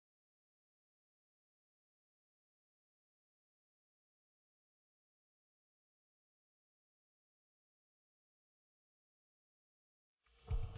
kait untuk kepengenahan